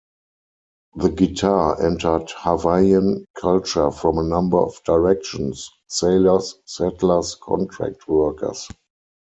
The guitar entered Hawaiian culture from a number of directions-sailors, settlers, contract workers.